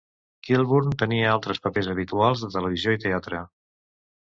Kilburn tenia altres papers habituals de televisió i teatre.